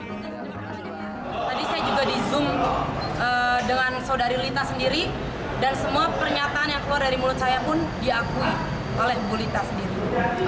tadi saya juga di zoom dengan saudari lita sendiri dan semua pernyataan yang keluar dari mulut saya pun diakui oleh bu lita sendiri